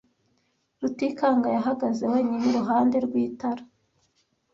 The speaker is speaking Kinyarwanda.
Rutikanga yahagaze wenyine iruhande rw'itara.